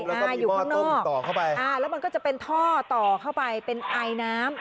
ค่ะอยู่ข้างนอกอ่านั่นมันก็จะเป็นท่อต่อเข้าไปเป็นไอน้ำ